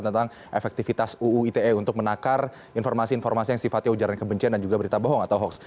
tentang efektivitas uu ite untuk menakar informasi informasi yang sifatnya ujaran kebencian dan juga berita bohong atau hoax